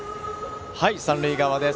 三塁側です。